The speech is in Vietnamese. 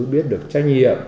biết được trách nhiệm